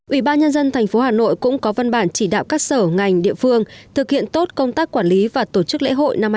ủy ban nhân dân thành phố hà nội cũng có văn bản chỉ đạo các sở ngành địa phương thực hiện tốt công tác quản lý và tổ chức lễ hội năm hai nghìn một mươi bảy